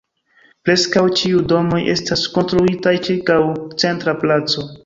Preskaŭ ĉiuj domoj estas konstruitaj ĉirkaŭ centra placo.